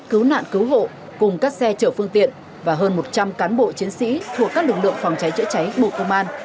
cứu nạn cứu hộ cùng các xe chở phương tiện và hơn một trăm linh cán bộ chiến sĩ thuộc các lực lượng phòng cháy chữa cháy bộ công an